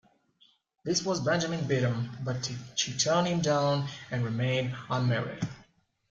This was Benjamin Beddome, but she turned him down, and remained unmarried.